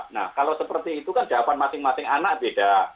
nah kalau seperti itu kan jawaban masing masing anak beda